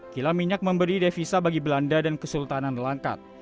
kila minyak memberi devisa bagi belanda dan kesultanan langkat